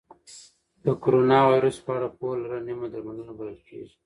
د کرونا ویروس په اړه پوهه لرل نیمه درملنه بلل کېږي.